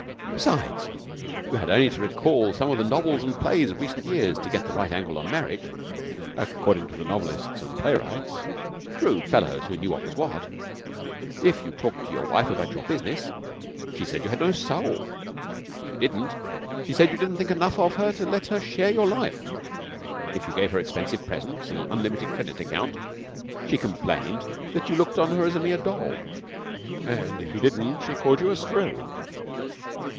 Besides, you had only to recall some of the novels and plays of recent years to get the right angle on marriage. According to the novelists and playwrights, shrewd fellows who knew what was what, if you talked to your wife about your business she said you had no soul; if you didn't, she said you didn't think enough of her to let her share your life. If you gave her expensive presents and an unlimited credit account, she complained that you looked on her as a mere doll; and if you didn't, she called you a screw.